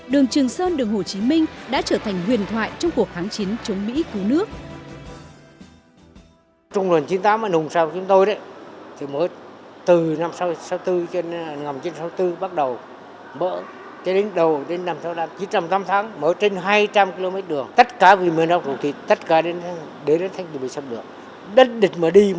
đường trường sơn đường hồ chí minh đã trở thành huyền thoại trong cuộc kháng chiến chống mỹ cứu nước